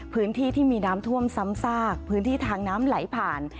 พื้นที่ที่มีน้ำท่วมซ้ำซากพื้นที่ทางน้ำไหลผ่าน